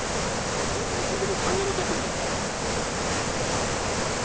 陽子が死んでもう３年もたってんだぞ！